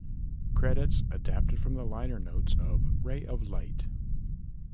Credits adapted from the liner notes of "Ray of Light".